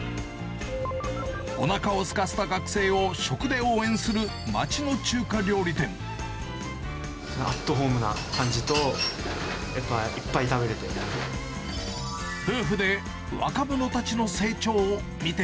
おなかをすかせた学生を食でアットホームな感じと、やっぱ、いっぱい食べれて。